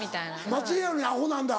末裔やのにアホなんだ。